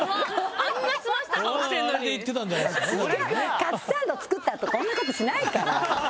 カツサンド作ったあとこんな事しないから。